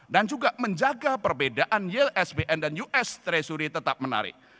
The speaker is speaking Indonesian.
dan juga menjaga perbedaan ysbn dan us treasury tetap menarik